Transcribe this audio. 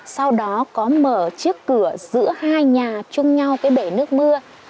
sau đó có mở chiếc cửa giữa hai nhà chung nhau cái bể nước mưa